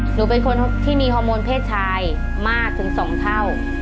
หนูเป็นคนที่มีฮอร์โมนเพศชายมากถึง๒เท่า